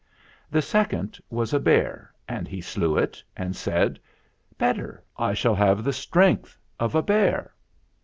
The second was a bear, and he slew it and said, "Better, I shall have the strength of a bear."